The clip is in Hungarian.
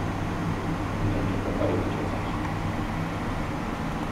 Megy, mint a karikacsapás.